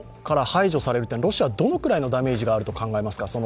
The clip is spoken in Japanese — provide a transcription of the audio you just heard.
ＳＷＩＦＴから排除されるというのはロシアはどのくらいのダメージがあると考えますか。